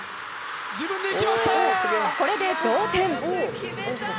これで同点！